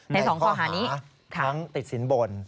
ในข้อหาทั้งติดสินบน